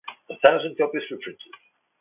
A thousand copies were printed.